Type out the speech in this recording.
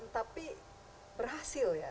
tapi berhasil ya